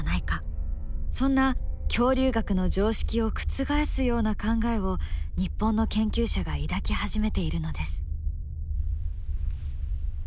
そんな恐竜学の常識を覆すような考えを日本の研究者が抱き始めているのです。